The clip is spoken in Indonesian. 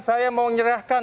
saya mau nyerahkan